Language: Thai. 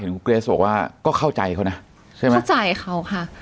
เห็นครูเกรสบอกว่าก็เข้าใจเขานะเข้าใจเขาค่ะ